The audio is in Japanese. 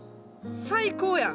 最高やん。